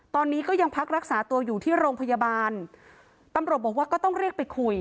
ตอนนี้ก็ยังพักรักษาตัวอยู่ที่โรงพยาบาลตำรวจบอกว่าก็ต้องเรียกไปคุย